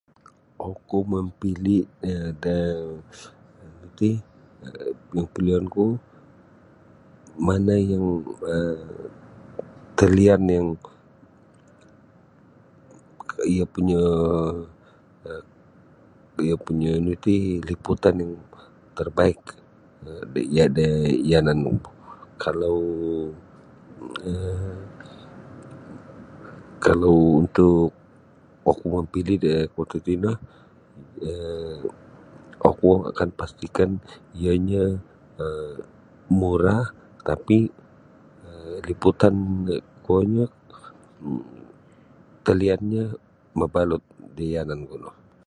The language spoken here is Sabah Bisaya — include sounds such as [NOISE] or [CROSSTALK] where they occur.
Oku mampili da-da-da nu ti [UNINTELLIGIBLE] mana yang um talian yang iyo punyo iyo punyo nu ti liputan yang terbaik da yanan ku kalau kalau um kalau untuk oku mampili da kuo tatino um oku akan pastikan iyonyo um murah tapi liputan kuonyo taliannyo mabalut da yanan ku no.